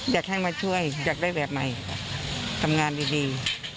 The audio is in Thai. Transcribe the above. อยากให้มาช่วยอยากได้แบบใหม่ทำงานดี